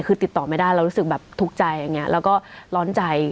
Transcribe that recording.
คือติดต่อไม่ได้เรารู้สึกแบบทุกข์ใจอย่างนี้แล้วก็ร้อนใจ